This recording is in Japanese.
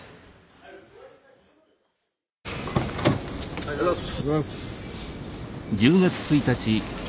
おはようございます。